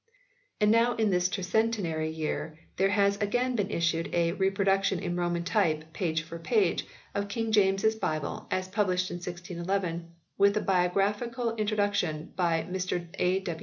And now in this Tercentenary year there has again been issued "a reproduction in Roman type, page for page, of King James s Bible, as published in 1611," with a bibliographical intro duction by Mr A.